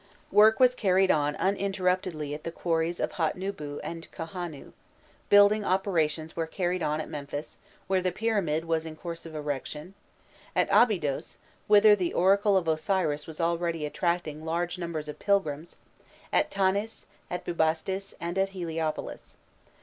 Work was carried on uninterruptedly at the quarries of Hatnûbû and Kohanû; building operations were carried on at Memphis, where the pyramid was in course of erection, at Abydos, whither the oracle of Osiris was already attracting large numbers of pilgrims, at Tanis, at Bubastis, and at Heliopolis.